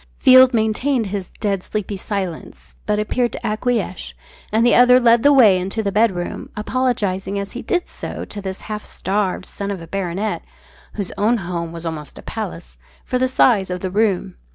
Field maintained his "dead sleepy" silence, but appeared to acquiesce, and the other led the way into the bedroom, apologising as he did so to this half starved son of a baronet whose own home was almost a palace for the size of the room.